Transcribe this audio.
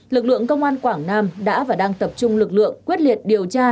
lực lượng công an quảng nam đã và đang tập trung lực lượng quyết liệt điều tra